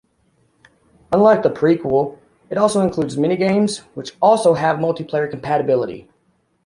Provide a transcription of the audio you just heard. Unlike the prequel, it also includes mini-games, which also have multiplayer compatibility.